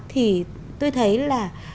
thì tôi thấy là